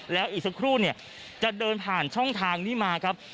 แล้วอีกสักครู่เนี่ยจะเดินผ่านช่องทางนี้มาครับ